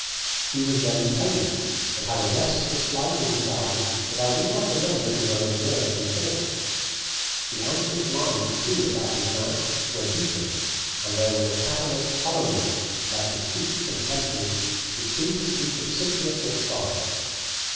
He was very pale, and had a restless light in his eye that I did not remember to have observed before. The anxious lines, too, about his mouth were deepened, and there was a cavernous, hollow look about his cheeks and temples which seemed to speak of sickness or sorrow.